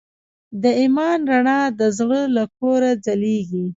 د ایمان رڼا د زړه له کوره ځلېږي.